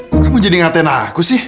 kok kamu jadi ngatin aku sih